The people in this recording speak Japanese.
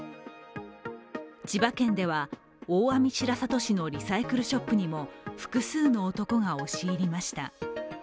千葉県では大網白里市のリサイクルショップにも複数の男が押し入りました。